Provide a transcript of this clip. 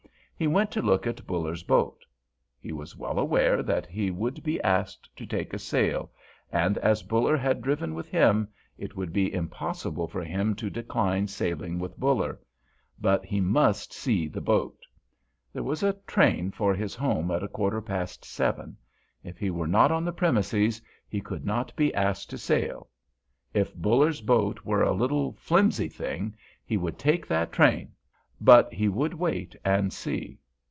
He went to look at Buller's boat. He was well aware that he would be asked to take a sail, and as Buller had driven with him, it would be impossible for him to decline sailing with Buller; but he must see the boat. There was a train for his home at a quarter past seven; if he were not on the premises he could not be asked to sail. If Buller's boat were a little, flimsy thing, he would take that train—but he would wait and see.